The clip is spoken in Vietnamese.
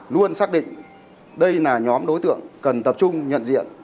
luôn xác định đây là nhóm đối tượng cần tập trung nhận diện